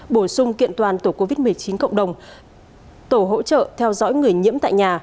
bổ sung kiện toàn tổ covid một mươi chín cộng đồng tổ hỗ trợ theo dõi người nhiễm tại nhà